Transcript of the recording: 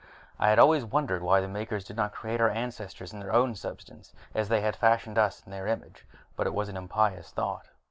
I have always wondered why the Makers did not create our ancestors in their own substance, as they had fashioned us in their image. But that is an impious thought.